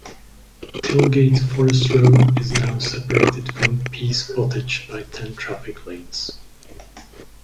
Tilgate Forest Row is now separated from Pease Pottage by ten traffic lanes.